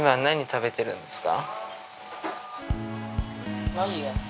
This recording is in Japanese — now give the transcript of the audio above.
何食べるんですか？